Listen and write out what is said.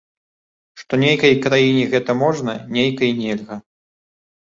Што нейкай краіне гэта можна, нейкай нельга.